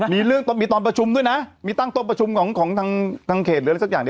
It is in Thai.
มีเรื่องมีตอนประชุมด้วยนะมีตั้งโต๊ะประชุมของทางเขตหรืออะไรสักอย่าง